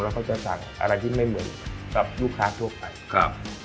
เขาจะสั่งอะไรที่ไม่เหมือนกับลูกค้าทั่วไปครับ